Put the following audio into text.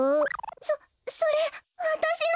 そそれわたしの！